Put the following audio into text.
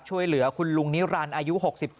ช่วยเหลือคุณลุงนิรันดิ์อายุ๖๗